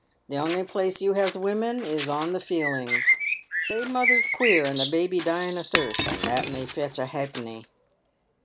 The only place you has women on is the feelings. Say mother's queer and the baby dying o' thirst, and that may fetch a ha'penny."